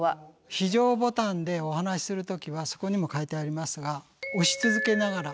非常ボタンでお話しする時はそこにも書いてありますが押し続けながら。